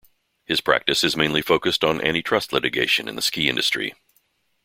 His practice is mainly focused on antitrust litigation in the ski industry.